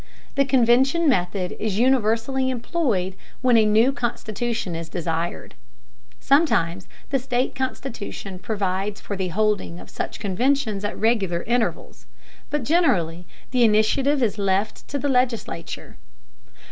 The convention method is universally employed when a new constitution is desired. Sometimes the state constitution provides for the holding of such conventions at regular intervals, but generally the initiative is left to the legislature.